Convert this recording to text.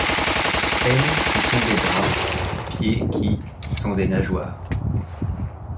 Ailes qui sont des bras, pieds qui, sont des nageoires